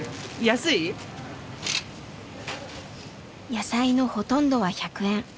野菜のほとんどは１００円。